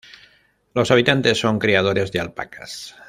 Los habitantes son criadores de alpacas.